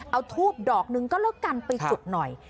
เอาทูบดอกหนึ่งก็แล้วกันไปจุดหน่อย